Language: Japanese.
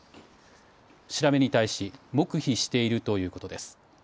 調べに対し黙秘しているということです。